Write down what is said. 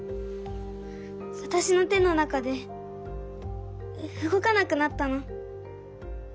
わたしの手の中でうごかなくなったの。